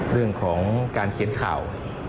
เรื่องของการเขียนข่าว